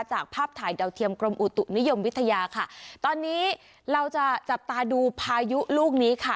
ภาพถ่ายดาวเทียมกรมอุตุนิยมวิทยาค่ะตอนนี้เราจะจับตาดูพายุลูกนี้ค่ะ